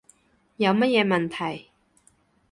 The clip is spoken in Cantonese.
有乜嘢問題